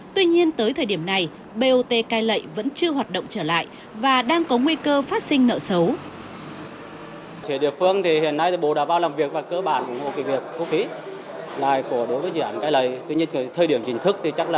tuy nhiên tới thời điểm này bot cai lệ vẫn chưa hoạt động trở lại và đang có nguy cơ phát sinh nợ xấu